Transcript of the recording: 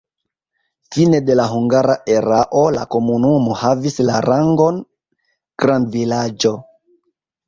Fine de la hungara erao la komunumo havis la rangon grandvilaĝo.